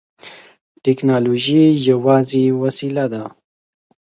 ټیکنالوژي یوازې وسیله ده.